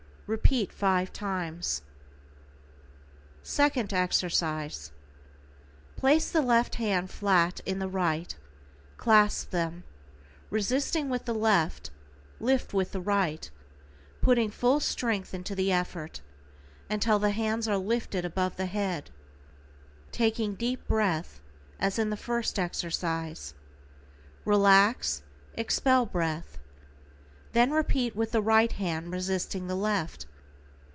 Repeat 5 times. =SECOND EXERCISE:= Place the left hand flat in the right, clasp them, resisting with the left, lift with the right, putting full strength into the effort, until the hands are lifted above the head, taking deep breath as in the first exercise. Relax, expel breath. Then repeat with the right hand resisting the left.